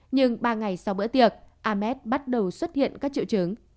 nhưng ba ngày sau bữa tiệc ams bắt đầu xuất hiện các triệu chứng